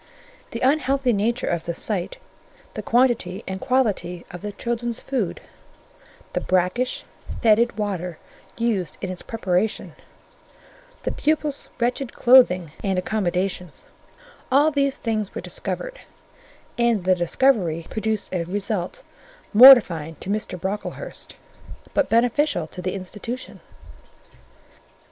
The unhealthy nature of the site; the quantity and quality of the children's food; the brackish, fetid water used in its preparation; the pupils' wretched clothing and accommodations—all these things were discovered, and the discovery produced a result mortifying to Mr. Brocklehurst, but beneficial to the institution.